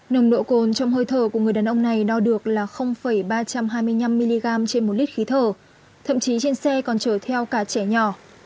nồng độ cồn trong hơi thở của người đàn ông này đo được là ba trăm hai mươi năm mg trên một lít khí thở thậm chí trên xe còn chở theo cả trẻ nhỏ